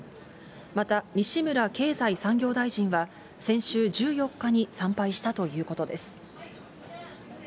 また西村経済産業大臣は、先週１４日に参拝したということです。